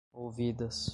ouvidas